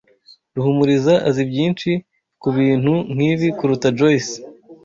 Ruhumuriza azi byinshi kubintu nkibi kuruta Joyce.